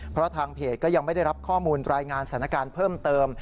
เพราะทางเพจก็ยังไม่ได้รับข้อมูลรายงานสถานการณ์เพิ่มเติม